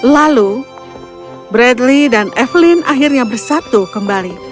lalu bradley dan evelyn akhirnya bersatu kembali